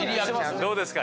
どうですか？